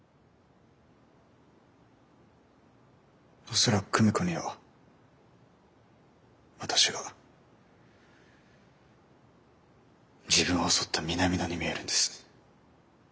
恐らく久美子には私が自分を襲った南野に見えるんです。